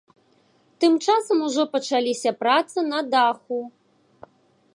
Тым часам ужо пачаліся працы на даху.